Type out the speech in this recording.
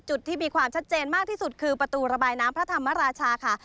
ที่มีความชัดเจนมากที่สุดคือประตูระบายน้ำพระธรรมราชาค่ะ